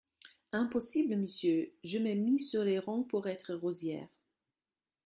Impossible, monsieur, je m’ai mis sur les rangs pour être rosière.